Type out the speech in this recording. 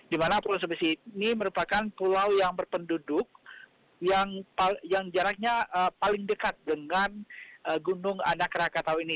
di mana pulau sebesi ini merupakan pulau yang berpenduduk yang jaraknya paling dekat dengan gunung anak rakatau ini